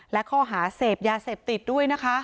และข้อหาเสพยาเสพติดด้วยนะคะ